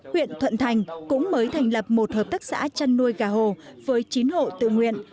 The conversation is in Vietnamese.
huyện thuận thành cũng mới thành lập một hợp tác xã chăn nuôi gà hồ với chín hộ tự nguyện